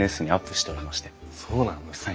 そうなんですか。